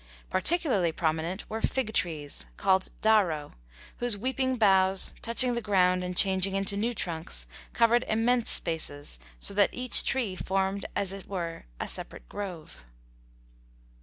Particularly prominent were fig trees, called "daro," whose weeping boughs, touching the ground and changing into new trunks, covered immense spaces, so that each tree formed as it were a separate grove.